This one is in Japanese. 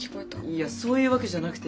いやそういうわけじゃなくて。